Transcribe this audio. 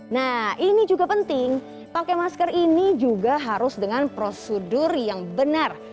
nah ini juga penting pakai masker ini juga harus dengan prosedur yang benar